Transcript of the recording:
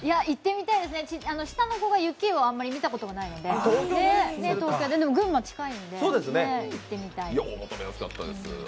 行ってみたいですね、下の子が雪をあまり見たことがないのででも群馬、近いので行ってみたい。